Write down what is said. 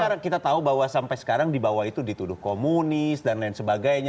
karena kita tahu bahwa sampai sekarang di bawah itu dituduh komunis dan lain sebagainya